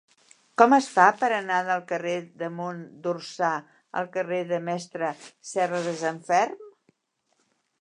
Com es fa per anar del carrer de Mont d'Orsà al carrer del Mestre Serradesanferm?